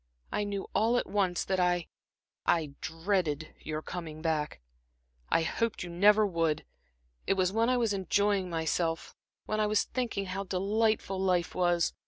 I knew, all at once, that I I dreaded your coming back, I hoped you never would it was when I was enjoying myself, when I was thinking how delightful life was.